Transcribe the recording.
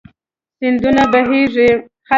سيندونه بهيږي